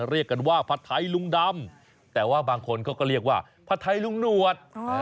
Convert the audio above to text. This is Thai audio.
เรียกกันว่าผัดไทยลุงดำแต่ว่าบางคนเขาก็เรียกว่าผัดไทยลุงหนวด